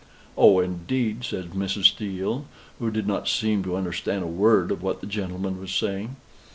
'" "Oh, indeed!" says Mrs. Steele, who did not seem to understand a word of what the gentleman was saying.